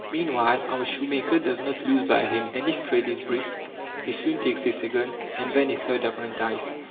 Meanwhile our shoemaker does not lose by him, and if trade is brisk he soon takes a second, and then a third apprentice.